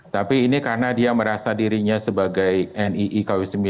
tapi ini karena dia merasa dirinya sebagai nii kw sembilan